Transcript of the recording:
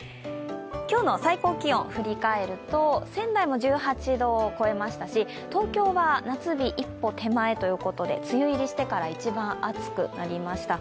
今日の最高気温を振り返ると、仙台も１８度を超えましたし、東京は夏日一歩手前ということで梅雨入りしてから一番暑くなりました。